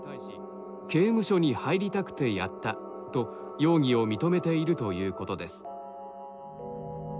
「刑務所に入りたくてやった」と容疑を認めているということです。